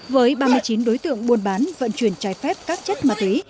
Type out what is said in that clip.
với ba mươi chín đối tượng buôn bán vận chuyển trái phép các chất ma túy